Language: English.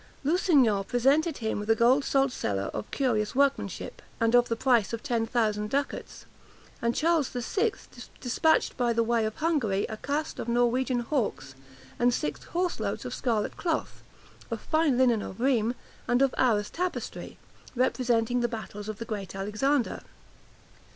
Lusignan presented him with a gold saltcellar of curious workmanship, and of the price of ten thousand ducats; and Charles the Sixth despatched by the way of Hungary a cast of Norwegian hawks, and six horse loads of scarlet cloth, of fine linen of Rheims, and of Arras tapestry, representing the battles of the great Alexander.